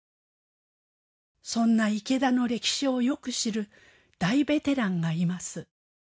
そんな池田の歴史をよく知る大ベテランがいます。